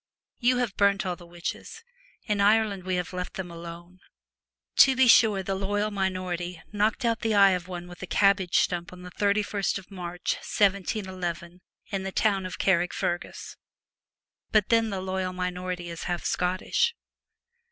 You have burnt all the witches. In Ireland we have left them alone. To be sure, the ' loyal minority ' knocked out the eye of one with a cabbage stump on the 31st of March, 171 1, in the town of Carrickfergus. But then the ' loyal minority' is half Scottish.